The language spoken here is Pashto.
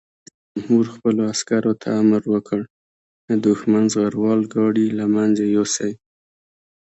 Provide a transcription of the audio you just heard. رئیس جمهور خپلو عسکرو ته امر وکړ؛ د دښمن زغروال ګاډي له منځه یوسئ!